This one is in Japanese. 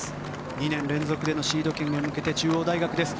２年連続でのシード権へ向けて中央大学です。